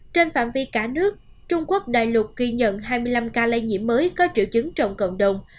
trên phạm vi cả nước trung quốc đại lục ghi nhận hai mươi năm ca lây nhiễm mới có triệu chứng trong cộng đồng